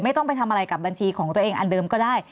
ต้องไปทำอะไรกับบัญชีของตัวเองอันเดิมก็ได้